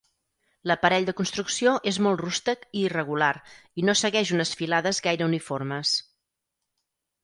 L'aparell de construcció és molt rústec i irregular, i no segueix unes filades gaire uniformes.